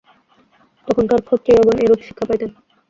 তখনকার ক্ষত্রিয়গণ এইরূপ শিক্ষা পাইতেন।